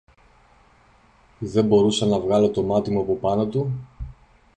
που δεν μπορούσα να βγάλω το μάτι μου από πάνω του;